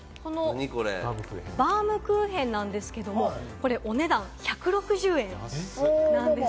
バウムクーヘンなんですけど、お値段１６０円なんです。